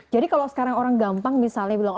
jadi kalau sekarang orang gampang misalnya bilang